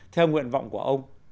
theo nguyện vọng của ông